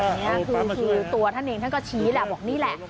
อันนี้คือตัวท่านเองท่านก็ชี้แหละบอกนี่แหละ